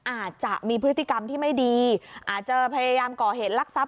อาจจะเป็นถ้ำมองมากกว่า